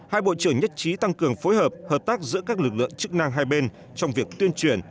hai bộ trưởng nhất trí tăng cường phối hợp hợp tác giữa các lực lượng chức năng hai bên trong việc tuyên truyền